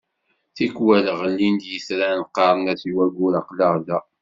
Tikwal ɣellin-d yitran qqaren as i waggur aql-aɣ da.